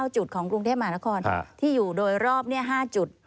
จุดของกรุงเทพมหานครที่อยู่โดยรอบ๕จุด